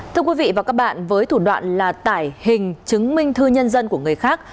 thưa quý vị và các bạn với thủ đoạn là tải hình chứng minh thư nhân dân của người khác